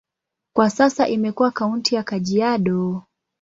Kwa sasa imekuwa kaunti ya Kajiado.